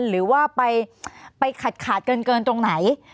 หรือว่าไปขาดเกินตรงไหน